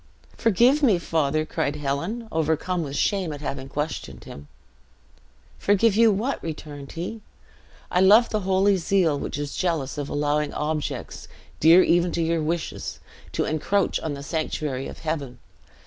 "Forgive me, father," cried Helen, overcome with shame at having questioned him. "Forgive you what?" returned he. "I love the holy zeal which is jealous of allowing objects, dear even to your wishes, to encroach on the sanctuary of heaven.